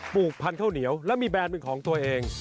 ลูกพันธุ์ข้าวเหนียวแล้วมีแบรนด์เป็นของตัวเอง